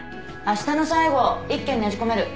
あしたの最後一件ねじ込める。